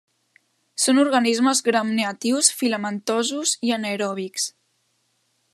Són organismes gramnegatius filamentosos i anaeròbics.